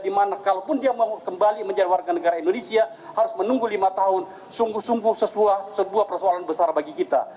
dimana kalaupun dia mau kembali menjadi warga negara indonesia harus menunggu lima tahun sungguh sungguh sebuah persoalan besar bagi kita